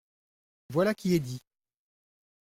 Voilà qui est dit.